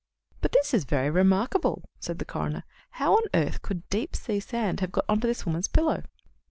"But this is very remarkable," said the coroner. "How on earth could deep sea sand have got on to this woman's pillow?"